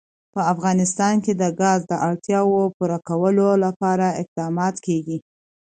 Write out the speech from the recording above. په افغانستان کې د ګاز د اړتیاوو پوره کولو لپاره اقدامات کېږي.